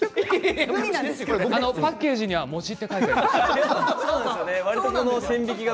パッケージには餅と書いてあります。